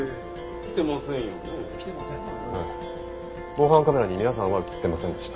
防犯カメラに皆さんは映ってませんでした。